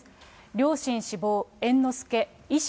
両親死亡、猿之助遺書？